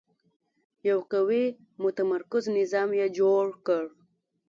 یو قوي متمرکز نظام یې جوړ کړ.